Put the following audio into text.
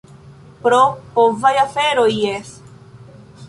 Pro povaj aferoj, jes.